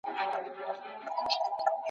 دنګه ونه لکه غروي هره تيږه یې منبر وي